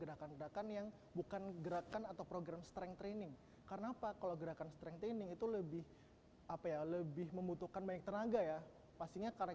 apa kalau gerakan strengthening itu lebih apa ya lebih membutuhkan banyak tenaga ya pastinya karena